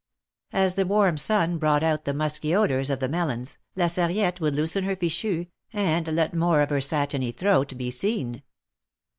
As the warm sun brought out the musky odors of the melons. La Sarriette would loosen her fichu, and let more of her satiny throat be seen.